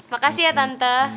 makasih ya tante